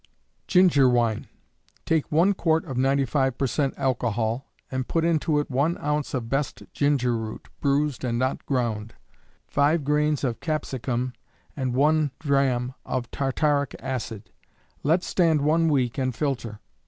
Ginger Wine. Take one quart of 95 per cent. alcohol, and put into it one ounce of best ginger root (bruised and not ground), five grains of capsicum, and one drachm of tartaric acid. Let stand one week and filter.